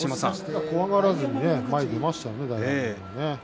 怖がらずに前に出ましたね。